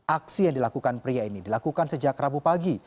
aksi yang dilakukan pria ini dilakukan sejak rabu pagi